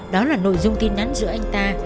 đó là nội dung tin nắn giữa anh ta